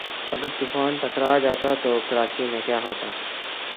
اگر طوفان ٹکرا جاتا تو کراچی میں کیا ہوتا